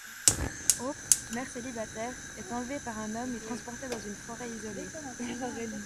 Hope, mère célibataire, est enlevée par un homme et transportée dans une forêt isolée.